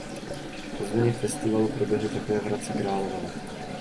Ozvěny festivalu proběhly také v Hradci Králové.